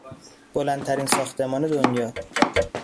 بلندترین ساختمان دنیا